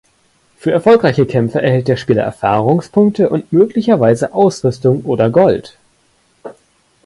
Für erfolgreiche Kämpfe erhält der Spieler Erfahrungspunkte und möglicherweise Ausrüstung oder Gold.